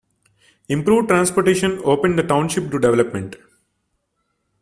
Improved transportation opened the township to development.